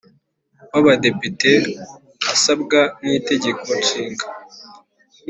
W abadepite asabwa n itegeko nshinga